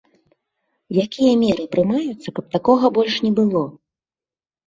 Якія меры прымаюцца, каб такога больш не было?